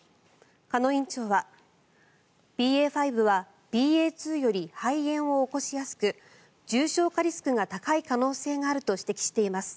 鹿野院長はＢＡ．５はＢＡ．２より肺炎を起こしやすく重症化リスクが高い可能性があると指摘しています。